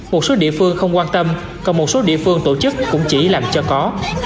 một số địa phương tổ chức cũng chỉ làm cho có